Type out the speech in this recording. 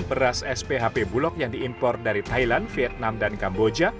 beras sphp bulog yang diimpor dari thailand vietnam dan kamboja